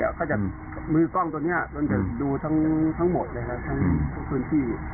เขาก็จะมือกล้องตัวเนี้ยต้องจะดูทั้งทั้งหมดเลยแล้วทั้งพื้นที่